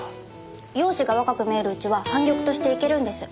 容姿が若く見えるうちは半玉としていけるんです。